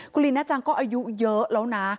คุณลีน่าจังก็อายุเยอะแล้วนะ